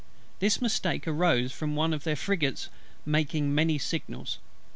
This mistake arose from one of their frigates making many signals.